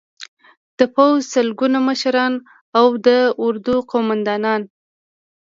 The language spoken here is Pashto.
د پوځ سلګونه مشران او د اردو قومندانان